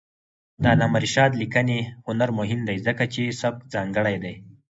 د علامه رشاد لیکنی هنر مهم دی ځکه چې سبک ځانګړی دی.